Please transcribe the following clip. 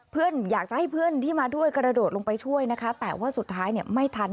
เพื่อนอยากจะให้เพื่อนที่มาด้วยกระโดดลงไปช่วยนะคะแต่ว่าสุดท้ายเนี่ยไม่ทัน